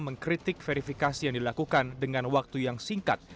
mengkritik verifikasi yang dilakukan dengan waktu yang singkat